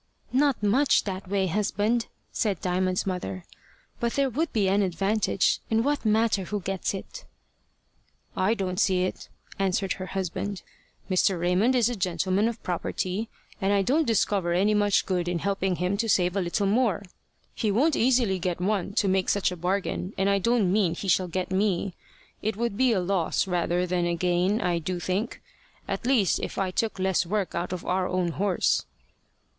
"Not much that way, husband," said Diamond's mother; "but there would be an advantage, and what matter who gets it!" "I don't see it," answered her husband. "Mr. Raymond is a gentleman of property, and I don't discover any much good in helping him to save a little more. He won't easily get one to make such a bargain, and I don't mean he shall get me. It would be a loss rather than a gain I do think at least if I took less work out of our own horse."